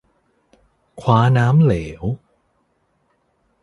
คว้าน้ำเหลว